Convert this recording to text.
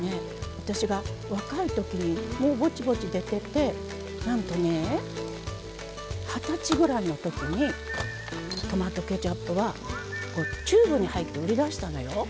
私が若い時にもうぼちぼち出ててなんとね二十歳ぐらいの時にトマトケチャップはチューブに入って売り出したのよ。